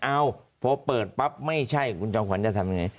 เอาพอเปิดปั๊บไม่ใช่คุณจอมขวัญจะทำยังไง